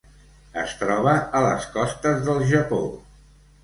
Es troba a les costes del Japó.